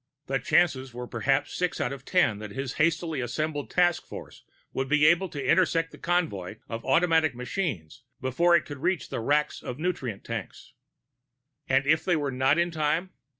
The chances were perhaps six out of ten that his hastily assembled task force would be able to intercept the convoy of automatic machines before it could reach the racks of nutrient tanks. And if they were not in time?